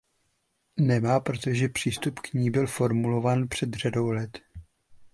Nemá, protože přístup k ní byl formulován před řadou let.